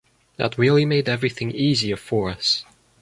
That really made everything easier for us.